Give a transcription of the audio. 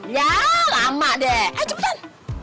ya lama deh ayo cepetan